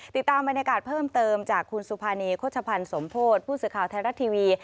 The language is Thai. ติดตามบรรยากาศเพิ่มเติมจากคุณสุภานีโฆษภัณฑ์สมโพธิผู้สื่อข่าวไทยรัฐทีวี